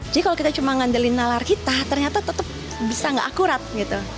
jadi kalau kita cuma mengandalkan nalar kita ternyata tetap bisa tidak akurat gitu